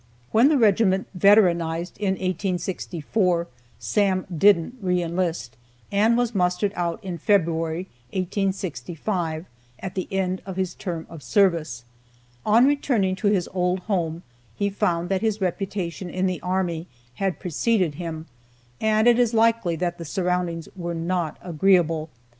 When the regiment veteranized in 1864, Sam didn't re enlist, and was mustered out in February, 1865, at the end of his term of service. On returning to his old home, he found that his reputation in the army had preceded him, and it is likely that the surroundings were not agreeable.